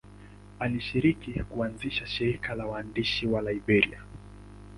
Alishiriki kuanzisha shirika la waandishi wa Liberia.